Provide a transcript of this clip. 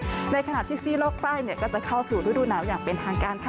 ในขณะที่ซี่โลกใต้ก็จะเข้าสู่ฤดูหนาวอย่างเป็นทางการค่ะ